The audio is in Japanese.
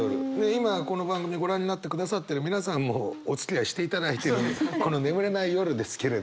今この番組をご覧になってくださってる皆さんもおつきあいしていただいているこの眠れない夜ですけれど。